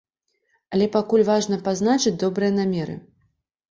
Але пакуль важна пазначыць добрыя намеры.